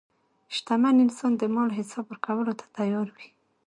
شتمن انسان د مال حساب ورکولو ته تیار وي.